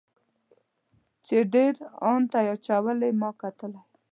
چې ډیر ان ته یې اچولې ما کتلی.